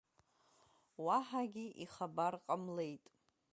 Уаҳагьы ихабар ҟамлеит…